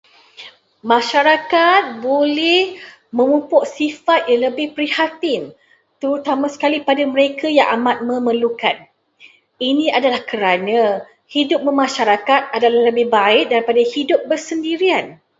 Masyarakat boleh memupuk sifat yang lebih prihatin, terutama sekali kepada mereka yang amat memerlukan. Ini adalah kerana hidup bermasyarakat adalah lebih baik daripada hiudp bersendirian.